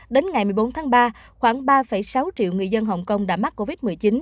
đến ngày một mươi bốn tháng ba khoảng ba sáu triệu người dân hồng kông đã mắc covid một mươi chín